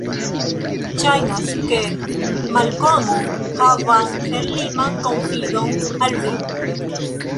Ŝajnas, ke Malkomo havas senliman konfidon al vi.